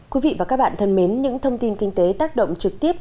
quý vị và các bạn thân mến những thông tin kinh tế tác động trực tiếp